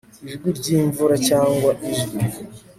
Ijwi ryimvura cyangwa ijwi